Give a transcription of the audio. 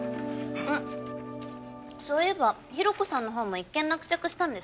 んっそういえばひろ子さんの方も一件落着したんですか？